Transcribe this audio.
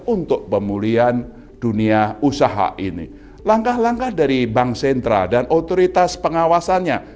untuk pemulihan dunia usaha ini langkah langkah dari bank sentral dan otoritas pengawasannya